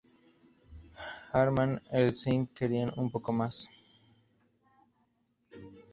Harman e Ising querían un poco más.